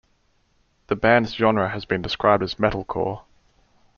The band's genre has been described as metalcore.